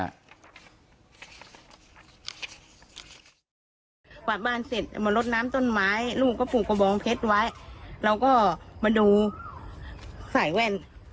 หวัดบ้านเสร็จมาลดน้ำต้นไม้ลูกก็ปลูกกระบองเพชรไว้แล้ว